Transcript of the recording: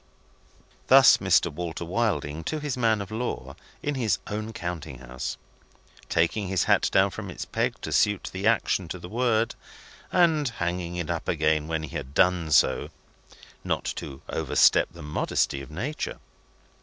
Thus Mr. Walter Wilding to his man of law, in his own counting house; taking his hat down from its peg to suit the action to the word, and hanging it up again when he had done so, not to overstep the modesty of nature.